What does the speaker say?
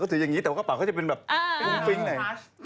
ก็ถือยังงี้แต่กระเป๋าก็จะเป็นแบบพุงฟลิ้งใน